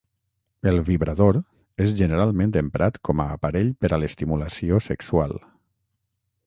El vibrador és generalment emprat com a aparell per a l'estimulació sexual.